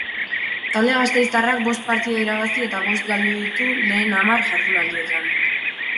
Talde gasteiztarrak bost partida irabazi eta bost galdu ditu lehen hamar jardunaldietan.